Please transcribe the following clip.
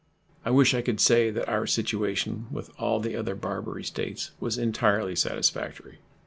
I wish I could say that our situation with all the other Barbary States was entirely satisfactory.